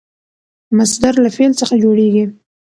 مصدر له فعل څخه جوړېږي.